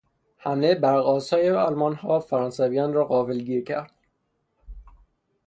حملهی برقآسای آلمانها فرانسویان را غافلگیر کرد.